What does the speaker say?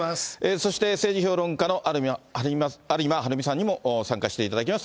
そして、政治評論家の有馬晴海さんにも参加していただきます。